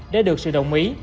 để được sự đồng ý